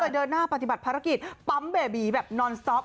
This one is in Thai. เดินหน้าปฏิบัติภารกิจปั๊มเบบีแบบนอนซอฟ